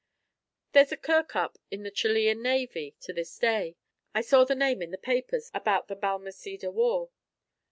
There's a Kirkup in the Chilean navy to this day, I saw the name in the papers about the Balmaceda war.